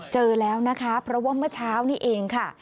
เจอแล้วนะคะเพราะว่าเมื่อเช้านี้เองค่ะ